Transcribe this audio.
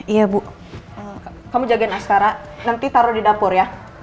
iya bu kamu jagain askara nanti taruh di dapur ya